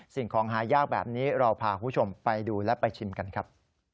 สิ่งของหายากแบบนี้เราพาคุณผู้ชมไปดูและไปชิมกันครับ